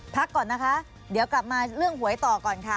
พักก่อนนะคะเดี๋ยวกลับมาเรื่องหวยต่อก่อนค่ะ